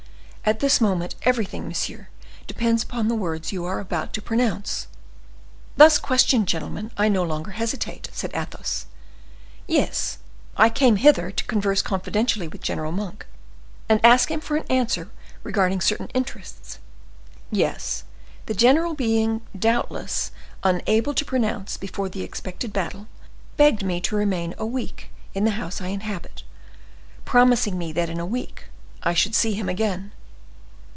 At this moment, everything, monsieur, depends upon the words you are about to pronounce." "Thus questioned, gentlemen, I no longer hesitate," said Athos. "Yes, I came hither to converse confidentially with General Monk, and ask him for an answer regarding certain interests; yes, the general being, doubtless, unable to pronounce before the expected battle, begged me to remain a week in the house I inhabit, promising me that in a week I should see him again.